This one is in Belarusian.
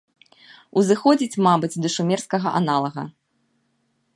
Узыходзіць, мабыць, да шумерскага аналага.